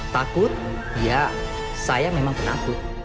takut ya saya memang penakut